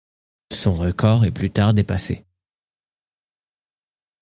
Son record est plus tard dépassé.